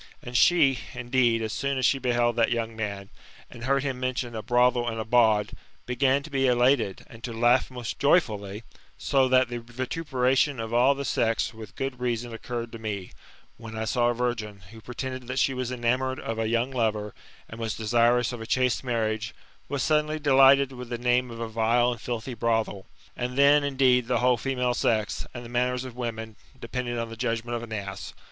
And she, indeed, as soon as she beheld that young man, and heard him mention a brothel and a bawd, began to be elated, and to laugh most joyfully, so that the vituperation of all the sex with good reason occurred to me, when I saw a virgin, who GOLDEN ASS, OF APULBIUS. — BOOK V. Ill pretended that she was enamoured of a young lover, and was desirous of a chaste marriage, was suddenly delighted with the name of a vile and filthy brothel. And then, indeed,{the whole female sex, and the manners of women, depend on the judgment of an ass.